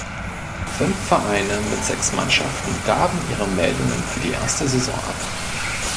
Fünf Vereine mit sechs Mannschaften gaben ihre Meldungen für die erste Saison ab.